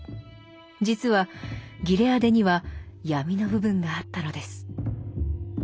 実はギレアデには闇の部分があったのです。